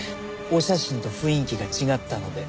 お写真と雰囲気が違ったので。